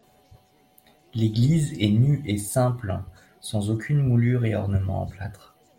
L'église est nue et simple, sans aucune moulure et ornement en plâtre.